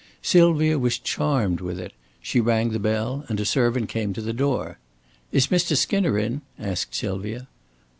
Sylvia was charmed with it. She rang the bell, and a servant came to the door. "Is Mr. Skinner in?" asked Sylvia.